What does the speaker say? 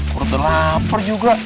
perutnya laper juga